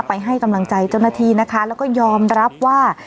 ให้กำลังใจเจ้าหน้าที่นะคะแล้วก็ยอมรับว่า